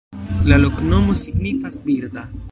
La loknomo signifas: birda.